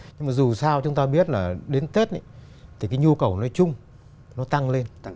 nhưng mà dù sao chúng ta biết là đến tết thì cái nhu cầu nói chung nó tăng lên